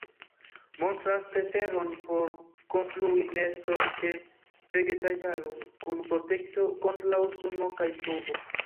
Montras preferon por konstrui neston ĉe vegetaĵaro, kun protekto kontraŭ suno kaj pluvo.